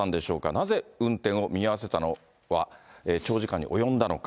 なぜ運転を見合わせたのが長時間に及んだのか。